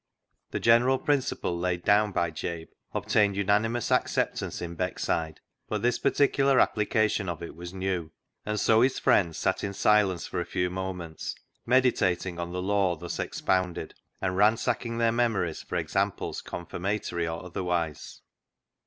The general principle laid down by Jabe obtained unanimous acceptance in Beckside, but this particular application of it was new, and so his friends sat in silence for a few moments meditating on the law thus ex pounded, and ransacking their memories for examples confirmatory or otherwise.